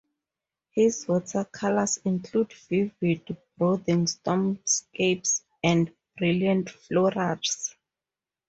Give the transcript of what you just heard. His watercolors include vivid, brooding storm-scapes and brilliant florals.